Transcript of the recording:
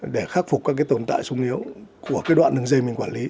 để khắc phục các cái tồn tại xung yếu của cái đoạn đường dây mình quản lý